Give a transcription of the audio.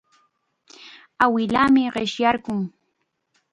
Awilaami qishyarqun.